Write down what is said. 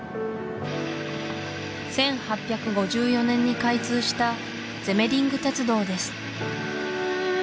１８５４年に開通したゼメリング鉄道です